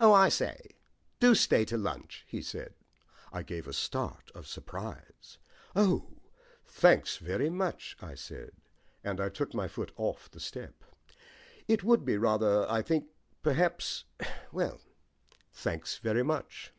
"Oh, I say, do stay to lunch," he said. I gave a start of surprise. "Oh, thanks very much," I said, and I took my foot off the step. "It would be rather I think, perhaps well, thanks very much."